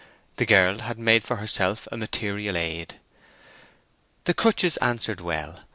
The girl had made for herself a material aid. The crutches answered well.